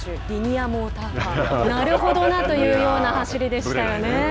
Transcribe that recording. リニアモーターカーなるほどなというような走りでした。